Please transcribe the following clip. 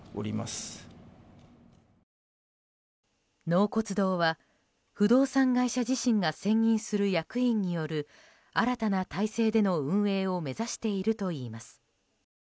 納骨堂は、不動産会社自身が選任する役員による新たな体制での運営を目指しているといいます。